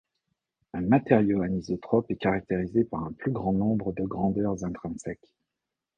Un matériau anisotrope est caractérisé par un plus grand nombre de grandeurs intrinsèques.